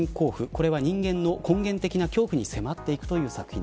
これは人間の根源的な恐怖に迫っていくという作品。